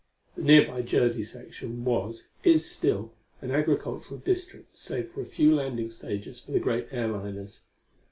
The nearby Jersey section was, is still, an agricultural district save for a few landing stages for the great airliners.